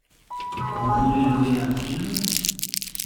Vous voulez louer un film ?